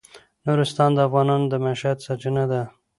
نورستان د افغانانو د معیشت سرچینه ده.